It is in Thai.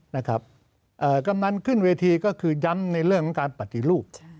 นะครับเอ่อกำนันขึ้นเวทีก็คือย้ำในเรื่องของการปฏิรูปใช่